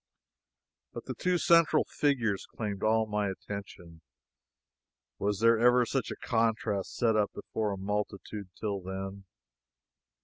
But the two central figures claimed all my attention. Was ever such a contrast set up before a multitude till then?